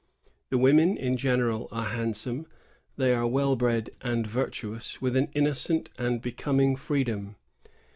The women in general are handsome ; they are well bred and virtuous, with an innocent and becoming freedom.